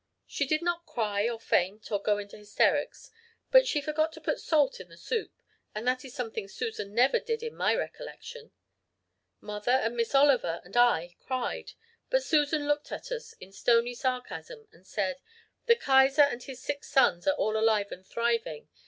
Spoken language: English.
She did not cry or faint or go into hysterics; but she forgot to put salt in the soup, and that is something Susan never did in my recollection. Mother and Miss Oliver and I cried but Susan looked at us in stony sarcasm and said, 'The Kaiser and his six sons are all alive and thriving.